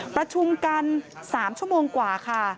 ประชุมกัน๓ชั่วโมงกว่าค่ะ